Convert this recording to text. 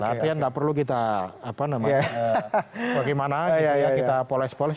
artinya tidak perlu kita bagaimana kita poles poles